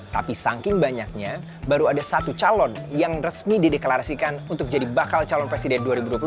tapi saking banyaknya baru ada satu calon yang resmi dideklarasikan untuk jadi bakal calon presiden dua ribu dua puluh empat